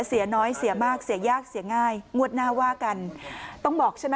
เสียน้อยเสียมากเสียยากเสียง่ายงวดหน้าว่ากันต้องบอกใช่ไหม